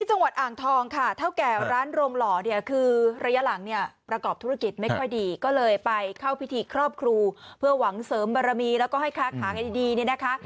จังหวัดอ่างทองค่ะเท่าแก่ร้านโรงหล่อเนี่ยคือระยะหลังเนี่ยประกอบธุรกิจไม่ค่อยดีก็เลยไปเข้าพิธีครอบครูเพื่อหวังเสริมบารมีแล้วก็ให้ค้าขายดีเนี่ยนะคะ